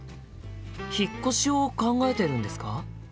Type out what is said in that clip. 引っ越しを考えてるんですか？